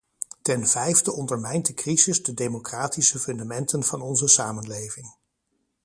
Ten vijfde ondermijnt de crisis de democratische fundamenten van onze samenleving.